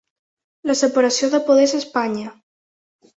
La separació de poders a Espanya.